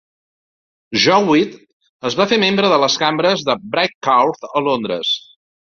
Jowitt es va fer membre de les cambres de Brick Court a Londres.